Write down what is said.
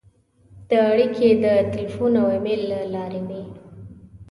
دا اړیکې د تیلفون او ایمېل له لارې وې.